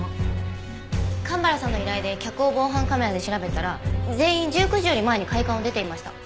蒲原さんの依頼で客を防犯カメラで調べたら全員１９時より前に会館を出ていました。